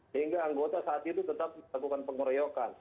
sehingga anggota saat itu tetap melakukan pengeroyokan